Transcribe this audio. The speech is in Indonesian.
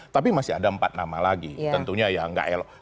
tapi masih ada empat nama lagi tentunya ya gak elo